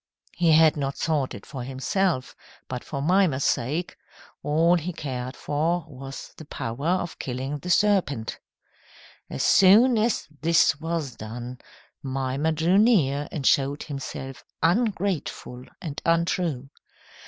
"He had not sought it for himself, but for Mimer's sake. All he cared for was the power of killing the serpent." As soon as this was done, Mimer drew near and showed himself ungrateful and untrue.